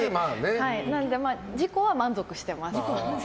なので、自己は満足してます。